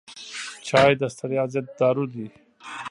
چای د ستړیا ضد دارو دی.